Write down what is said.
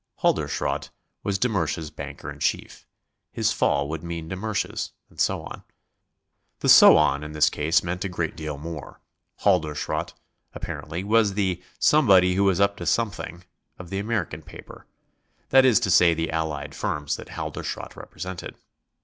Halderschrodt was de Mersch's banker in chief; his fall would mean de Mersch's, and so on. The "so on" in this case meant a great deal more. Halderschrodt, apparently, was the "somebody who was up to something" of the American paper that is to say the allied firms that Halderschrodt represented.